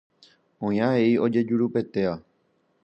Oĩ avei ojejurupetéva.